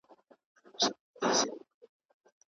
ولي د کليوالو او ښاري خلګو په عادتونو کي توپير سته؟